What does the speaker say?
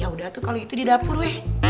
ya udah tuh kalau gitu di dapur weh